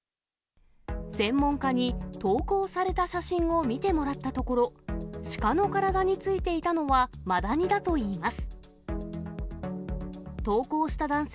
専門家に投稿された写真を見てもらったところ、鹿の体についていたのはマダニだといいます。